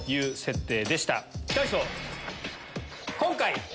今回。